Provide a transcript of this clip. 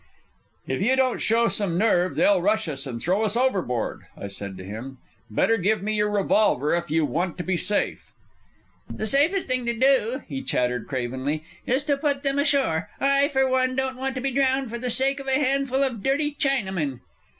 "If you don't show some nerve, they'll rush us and throw us overboard," I said to him. "Better give me your revolver, if you want to be safe." "The safest thing to do," he chattered cravenly, "is to put them ashore. I, for one, don't want to be drowned for the sake of a handful of dirty Chinamen."